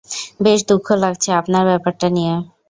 বেশ দুঃখ লাগছে আপনার ব্যাপারটা নিয়ে!